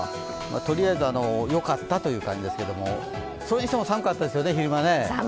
とりあえず、よかったという感じですけれども、それにしても昼間、寒かったですね